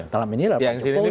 dalam inilah pak jokowi